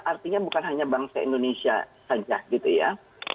artinya bukan hanya bangsa indonesia saja gitu ya